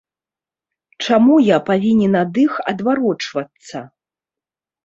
Чаму я павінен ад іх адварочвацца?